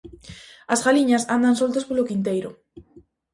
As galiñas andan soltas polo quinteiro.